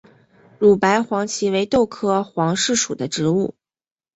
乳白黄耆为豆科黄芪属的植物。